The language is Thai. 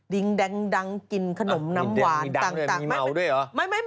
ดิงดังดังกินขนมน้ำหวานดิงดังดังดังมีเมาด้วยหรอ